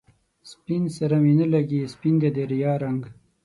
سپين سره می نه لګي، سپین دی د ریا رنګ